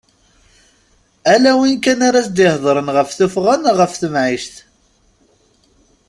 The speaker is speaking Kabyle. Ala win kan ara as-d-ihedren ɣef tuffɣa neɣ ɣef temɛict.